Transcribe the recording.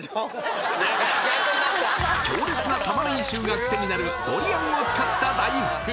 強烈な玉ねぎ臭がクセになるドリアンを使った大福